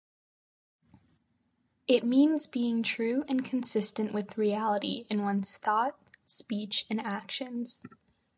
It means being true and consistent with reality in one's thought, speech and action.